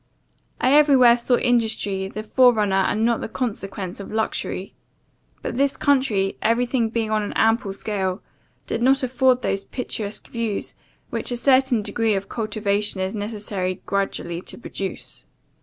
I every where saw industry the fore runner and not the consequence, of luxury; but this country, everything being on an ample scale, did not afford those picturesque views, which a certain degree of cultivation is necessary gradually to produce.